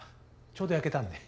ちょうど焼けたんで。